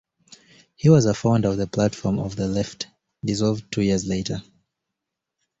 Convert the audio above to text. He was a founder of the Platform of the Left, dissolved two years later.